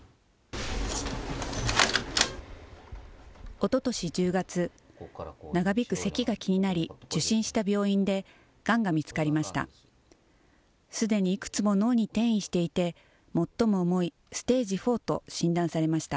おととし１０月、長引くせきが気になり、受診した病院で、がんが見つかりました。